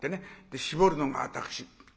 で絞るのが私。